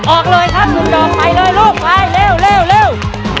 ออกเลยครับสุดดอกไปเลยลูกไปเร็วเร็วเร็ว